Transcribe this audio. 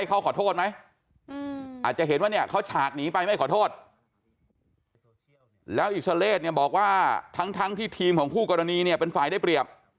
อิสโอเลสเนี่ยบอกว่าทั้งที่ทีมของผู้กรณีเนี่ยเป็นฝ่ายได้เปรียบ